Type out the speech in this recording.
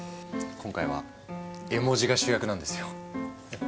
今回は絵文字が主役なんですよ。